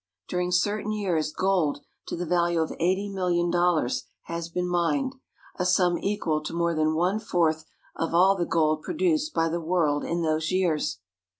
During certain years gold to the value of eighty million dollars has been mined, a sum equal to more than one fourth of all the gold produced by the world in those years.